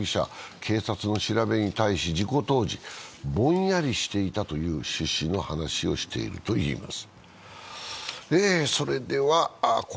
警察の調べに対し、事故当時、ぼんやりしていたという趣旨の話をしているといいます。